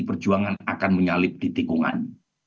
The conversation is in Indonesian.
perjuangan akan menyalip di tikungan